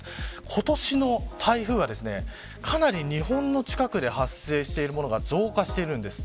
今年の台風はかなり日本の近くで発生しているものが増加しているんです。